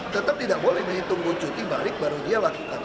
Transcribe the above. tetap tidak boleh ditunggu cuti balik baru dia lakukan